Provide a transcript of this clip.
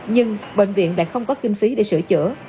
nhưng bệnh viện lại không có kinh phí để sửa chữa